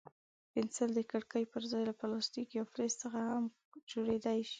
پنسل د لرګي پر ځای له پلاستیک یا فلز څخه هم جوړېدای شي.